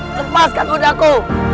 lepaskan bunda aku